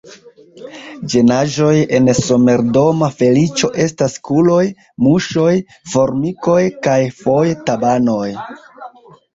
Ĝenaĵoj en somerdoma feliĉo estas kuloj, muŝoj, formikoj kaj foje tabanoj.